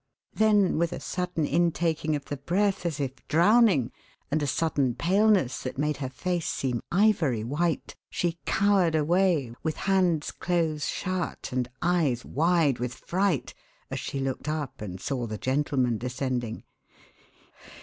Then with a sudden intaking of the breath, as if drowning, and a sudden paleness that made her face seem ivory white, she cowered away, with hands close shut, and eyes wide with fright as she looked up and saw the gentlemen descending.